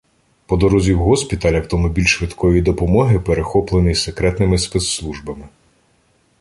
По дорозі в госпіталь автомобіль швидкої допомоги перехоплений секретними спецслужбами.